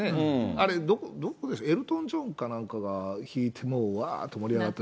あれ、どこだっけ、エルトン・ジョンなんかが弾いて、もう、わーって盛り上がって。